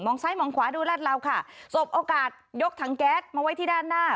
ซ้ายมองขวาดูรัดเราค่ะสบโอกาสยกถังแก๊สมาไว้ที่ด้านหน้า